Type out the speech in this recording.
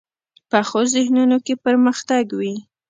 پخو ذهنونو کې پرمختګ وي